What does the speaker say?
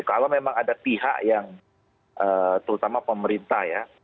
kalau memang ada pihak yang terutama pemerintah ya